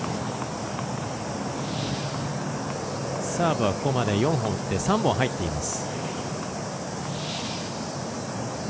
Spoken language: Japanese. サーブはここまで４本打って３本入っています。